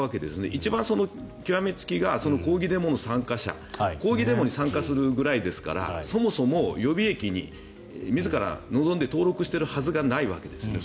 一番、極め付きが抗議デモの参加者抗議デモに参加するぐらいですからそもそも予備役に自ら望んで登録しているはずがないわけですよね